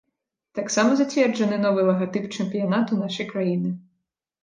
Таксама зацверджаны новы лагатып чэмпіянату нашай краіны.